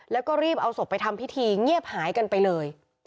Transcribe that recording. แล้วก็รีบเอาศพไปทำพิธีเงียบหายกันไปเลย